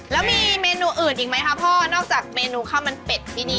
แล้วมีเมนูอื่นอีกไหมคะพ่อนอกจากเมนูข้าวมันเป็ดที่นี่